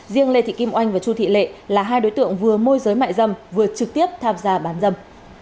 riêng lê thị kim oanh và chu thị lệ là hai đối tượng vừa môi giới mại dâm vừa trực tiếp tham gia bán dâm